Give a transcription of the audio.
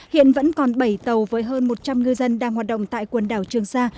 hiện vẫn còn bảy tàu với hơn một trăm linh ngư dân đang hoạt động tại quần đảo trường sa